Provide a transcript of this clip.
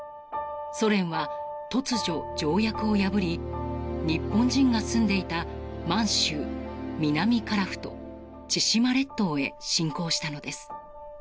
ソ連は突如、条約を破り日本人が住んでいた満州、南樺太千島列島へ侵攻したのです。